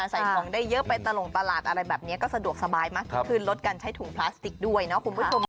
ใส่ของได้เยอะไปตลงตลาดอะไรแบบนี้ก็สะดวกสบายมากยิ่งขึ้นลดการใช้ถุงพลาสติกด้วยนะคุณผู้ชม